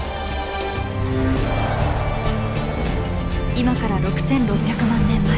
今から６６００万年前